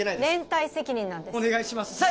連帯責任なんですお願いします